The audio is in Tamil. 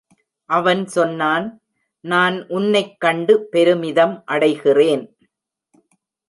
அவன் சொன்னான் "நான் உன்னைக் கண்டு பெருமிதம் அடைகிறேன்".